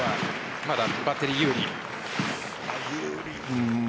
まだバッテリー有利？